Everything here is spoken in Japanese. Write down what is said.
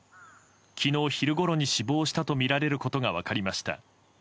昨日昼ごろに死亡したとみられることが分かりました。